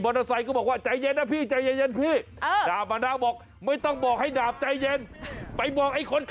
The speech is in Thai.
ต้องเรียกให้รถคันนี้จอนเพราะว่ารถคันนั้นมันฝ่ายไปแดง